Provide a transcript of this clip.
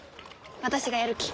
私がやるき。